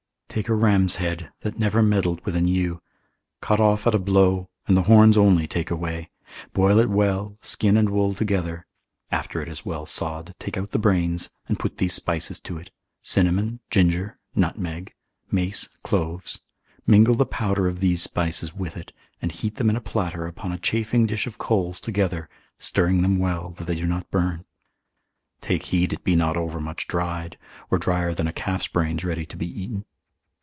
Take a ram's head that never meddled with an ewe, cut off at a blow, and the horns only take away, boil it well, skin and wool together; after it is well sod, take out the brains, and put these spices to it, cinnamon, ginger, nutmeg, mace, cloves, ana ℥ß, mingle the powder of these spices with it, and heat them in a platter upon a chafing dish of coals together, stirring them well, that they do not burn; take heed it be not overmuch dried, or drier than a calf's brains ready to be eaten.